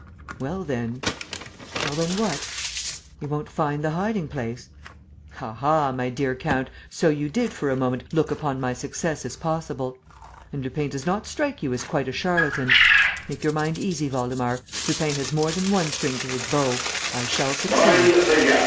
"Well then. ..." "Well then what?" "You won't find the hiding place." "Aha, my dear count, so you did, for a moment, look upon my success as possible? And Lupin does not strike you as quite a charlatan? Make your mind easy, Waldemar: Lupin has more than one string to his bow. I shall succeed."